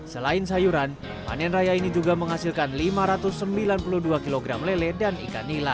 selain sayuran panen raya ini juga menghasilkan lima ratus sembilan puluh dua kg lele dan ikan nila